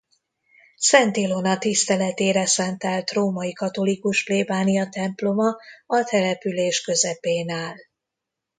Szent Ilona tiszteletére szentelt római katolikus plébániatemploma a település közepén áll.